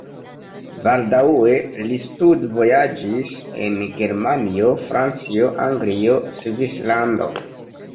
Baldaŭe li studvojaĝis en Germanio, Francio, Anglio, Svislando.